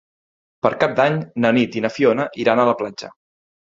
Per Cap d'Any na Nit i na Fiona iran a la platja.